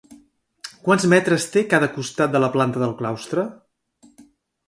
Quants metres té cada costat de la planta del claustre?